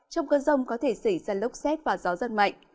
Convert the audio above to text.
trong cơn rông có thể xảy ra lốc xét và gió giật mạnh